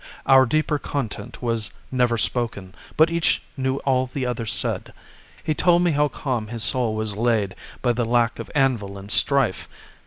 Our deeper content was never spoken, But each knew all the other said. He told me how calm his soul was laid By the lack of anvil and strife.